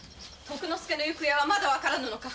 徳之助の行方はまだわからぬのか！